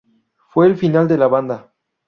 Fue el final de la banda.